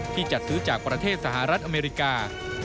จัดซื้อจากประเทศสหรัฐอเมริกา